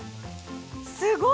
すごい！